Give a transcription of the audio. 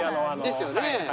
ですよね。